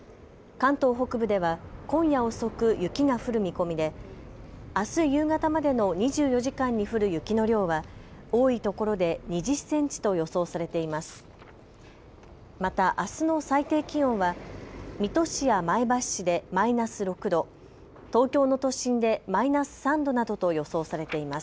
関東北部では今夜遅く雪が降る見込みであす夕方までの２４時間に降る雪の量は多いところで２０センチと予想されています。